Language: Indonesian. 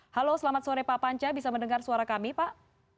halo selamat sore pak panca bisa mendengar suara kami pak